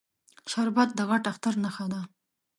شربت د غټ اختر نښه ده